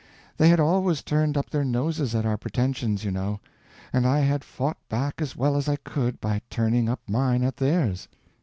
They had always turned up their noses at our pretentions, you know; and I had fought back as well as I could by turning up mine at theirs.